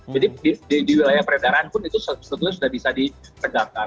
jadi di wilayah peredaran pun itu sebetulnya sudah bisa ditegakkan